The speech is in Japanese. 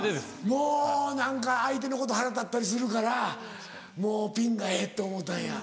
もう何か相手のこと腹立ったりするからもうピンがええって思ったんや。